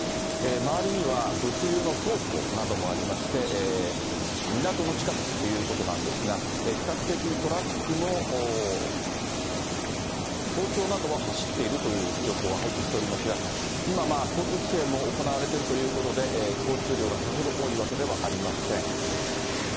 周りには、物流の倉庫などもありまして、港の近くということなんですが、比較的トラックも、早朝などは走っているという情報は入ってきておりますが、今、交通規制も行われているということで、交通量がさほど多いわけではありません。